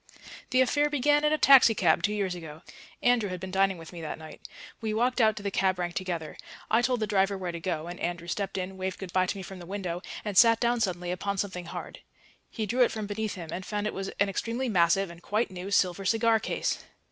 The affair began in a taxicab two years ago. Andrew had been dining with me that night; we walked out to the cab rank together; I told the driver where to go, and Andrew stepped in, waved good bye to me from the window, and sat down suddenly upon something hard. He drew it from beneath him, and found it was an extremely massive (and quite new) silver cigar case.